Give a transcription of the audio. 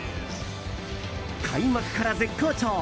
開幕から絶好調